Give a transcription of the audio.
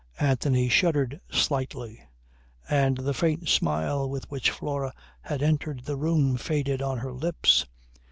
Anthony shuddered slightly and the faint smile with which Flora had entered the room faded on her lips.